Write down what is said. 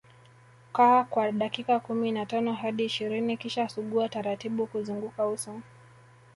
Kaa kwa dakika kumi na tano hadi ishirini kisha sugua taratibu kuzunguka uso